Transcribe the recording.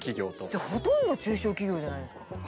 じゃあほとんど中小企業じゃないですか。